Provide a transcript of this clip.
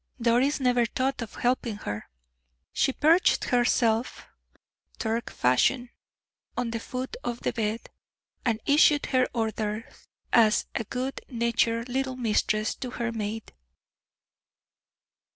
Doris never thought of helping her. She perched herself, Turk fashion, on the foot of the bed, and issued her orders as a good natured little mistress to her maid.